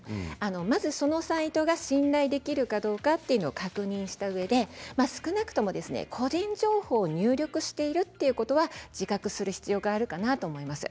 まず、そのサイトが信頼できるかどうかを確認したうえで少なくとも個人情報を入力しているということは自覚する必要があると思います。